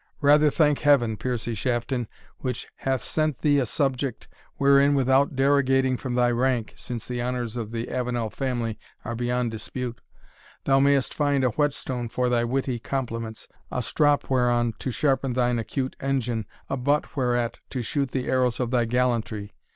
Rather thank heaven, Piercie Shafton, which hath sent thee a subject, wherein, without derogating from thy rank, (since the honours of the Avenel family are beyond dispute,) thou mayest find a whetstone for thy witty compliments, a strop whereon to sharpen thine acute engine, a butt whereat to shoot the arrows of thy gallantry.